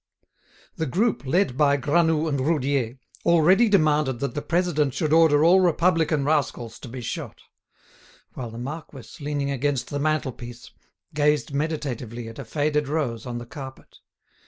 The group led by Granoux and Roudier already demanded that the President should order all republican rascals to be shot; while the marquis, leaning against the mantelpiece, gazed meditatively at a faded rose on the carpet.